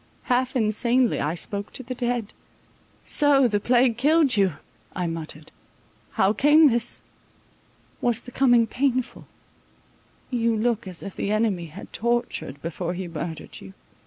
Half insanely I spoke to the dead. So the plague killed you, I muttered. How came this? Was the coming painful? You look as if the enemy had tortured, before he murdered you.